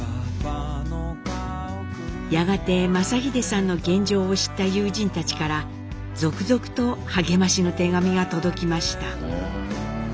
やがて正英さんの現状を知った友人たちから続々と励ましの手紙が届きました。